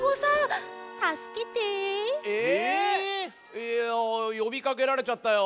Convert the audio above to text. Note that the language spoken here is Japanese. いやよびかけられちゃったよ。